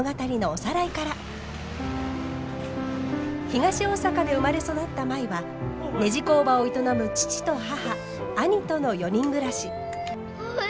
東大阪で生まれ育った舞はねじ工場を営む父と母兄との４人暮らし。